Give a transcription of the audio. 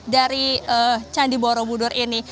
dari candi borobudur ini